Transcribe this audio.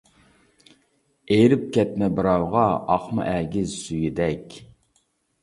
ئېرىپ كەتمە بىراۋغا، ئاقما ئەگىز سۈيىدەك.